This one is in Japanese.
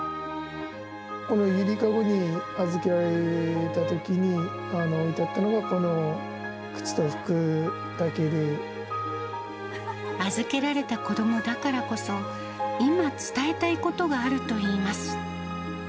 このゆりかごに預けられたときに、置いてあったのが、預けられた子どもだからこそ、今伝えたいことがあるといいます。